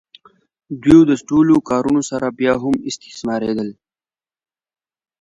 دوی د دې ټولو کارونو سره بیا هم استثماریدل.